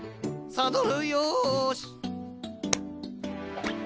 サドルよし。